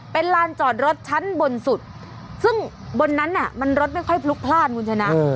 เป็นลานจอดรถชั้นบนสุดซึ่งบนนั้นน่ะมันรถไม่ค่อยพลุกพลาดคุณชนะ